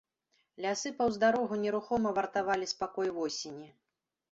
Лясы паўз дарогу нерухома вартавалі спакой восені.